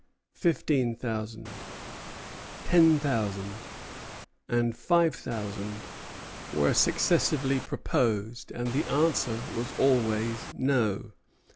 Fifteen thousand, ten thousand, and five thousand, were successively proposed, and the answer was always, No.